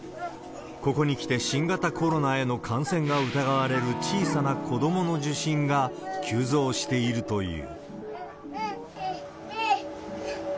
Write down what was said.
ここにきて新型コロナへの感染が疑われる小さな子どもの受診が急増しているという。